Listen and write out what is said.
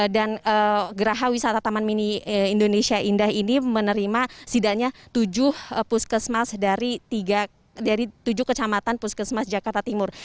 dan gerah wisata taman mini indonesia indah ini menerima sedangnya tujuh puskesmas dari tujuh kecamatan puskesmas jakarta timur